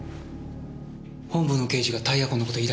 本部の刑事がタイヤ痕の事を言い出した。